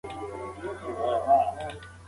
نوښتګر درسونه ذهن روښانه کوي.